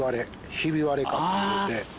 ひび割れ果っていうて。